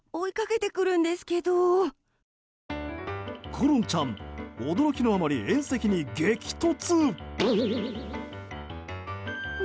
コロンちゃん驚きのあまり、縁石に激突。